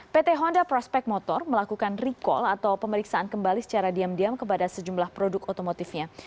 pt honda prospect motor melakukan recall atau pemeriksaan kembali secara diam diam kepada sejumlah produk otomotifnya